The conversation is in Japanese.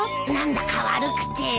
何だか悪くて。